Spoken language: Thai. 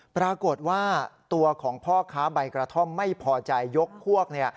ปรากฏว่าตัวของพ่อค้าใบกระท่อมไม่พอใจยกพวกเนี่ย